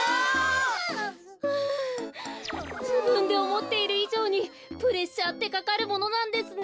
ふじぶんでおもっているいじょうにプレッシャーってかかるものなんですね。